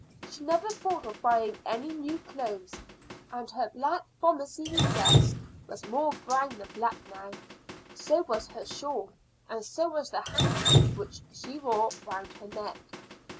She never thought of buying any new clothes, and her black bombazine dress was more brown than black now; so was her shawl, and so was the handkerchief which she wore round her neck.